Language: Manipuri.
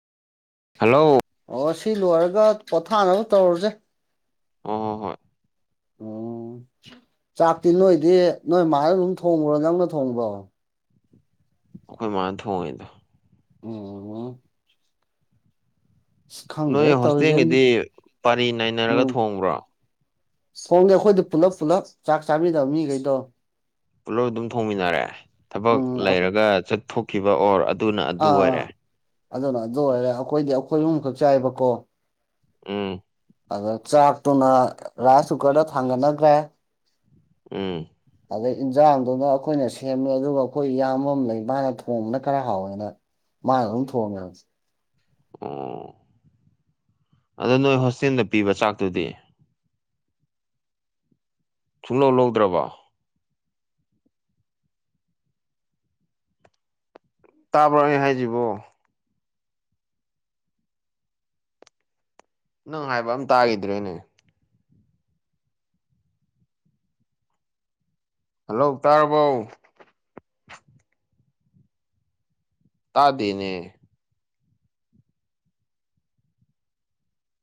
ꯍꯜꯂꯣ ꯑꯣ ꯁꯤ ꯂꯣꯏꯔꯒ ꯄꯣꯊꯥꯅꯕ ꯇꯧꯔꯁꯦ ꯍꯣꯏ ꯍꯣꯏ ꯍꯣꯏ ꯎꯝ ꯆꯥꯛꯇꯤ ꯅꯣꯏꯗꯤ ꯅꯣꯏ ꯃꯥꯅ ꯑꯗꯨꯝ ꯊꯣꯡꯕ꯭ꯔꯣ ꯅꯪꯅ ꯊꯣꯡꯕ꯭ꯔꯣ ꯑꯩꯈꯣꯏ ꯃꯥꯅ ꯊꯣꯡꯉꯤꯅꯦ ꯑꯣꯝ ꯈꯪꯗ꯭ꯔꯦ ꯅꯣꯏ ꯇꯧꯔꯤꯁꯦ ꯍꯣꯁꯇꯦꯜꯒꯤꯗꯤ ꯄꯥꯂꯤ ꯅꯥꯏꯅꯔꯒ ꯎꯝ ꯊꯣꯡꯕ꯭ꯔꯣ ꯊꯣꯡꯗꯦ ꯑꯩꯈꯣꯏꯗꯤ ꯄꯨꯂꯞ ꯄꯨꯜꯂꯞ ꯆꯥꯛ ꯆꯥꯃꯤꯟꯅꯕ ꯃꯤꯈꯩꯗꯣ ꯄꯨꯜꯂꯞ ꯑꯗꯨꯝ ꯊꯣꯡꯃꯤꯟꯅꯔꯦ ꯊꯕꯛ ꯎꯝ ꯂꯩꯔꯒ ꯆꯠꯊꯣꯛꯈꯤꯕ ꯑꯣꯔ ꯑꯗꯨꯅ ꯑꯗꯨ ꯑꯥꯥ ꯑꯣꯏꯔꯦ ꯑꯥ ꯑꯗꯨꯅ ꯑꯗꯨ ꯑꯣꯏꯔꯦ ꯑꯩꯈꯣꯏꯗꯤ ꯑꯩꯈꯣꯏ ꯑꯍꯨꯝꯈꯛ ꯆꯥꯏꯕꯀꯣ ꯎꯝ ꯑꯗ ꯆꯥꯛꯇꯨꯅ ꯔꯥꯏꯁ ꯀꯨꯀꯔꯗ ꯊꯥꯡꯒꯠꯅꯈ꯭ꯔꯦ ꯎꯝ ꯑꯗꯩ ꯏꯟꯖꯥꯡꯗꯨꯅ ꯑꯩꯈꯣꯏꯅ ꯁꯦꯝꯃꯦ ꯑꯗꯨꯒ ꯑꯩꯈꯣꯏ ꯏꯌꯥꯝꯕ ꯑꯃ ꯂꯩ ꯃꯥꯅ ꯊꯣꯡꯕꯅ ꯈꯔ ꯍꯥꯎꯋ ꯃꯥꯅ ꯑꯗꯨꯝ ꯊꯣꯡꯉꯦꯕ ꯑꯣ ꯑꯗꯣ ꯅꯣꯏ ꯍꯣꯁꯇꯦꯜꯗ ꯄꯤꯕ ꯆꯥꯛꯇꯨꯗꯤ ꯁꯨꯡꯂꯧ ꯂꯧꯗ꯭ꯔꯕ ꯇꯥꯕ꯭ꯔꯣ ꯑꯩ ꯍꯥꯏꯖꯤꯕꯣ ꯅꯪ ꯍꯥꯏꯕ ꯑꯝ ꯇꯥꯈꯤꯗ꯭ꯔꯦꯅꯦ ꯍꯜꯂꯣ ꯇꯥꯔꯕꯧ ꯇꯥꯗꯦꯅꯦ